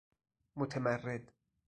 متمرد